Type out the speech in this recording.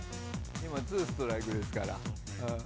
今、ツーストライクですから。